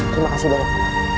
terima kasih banyak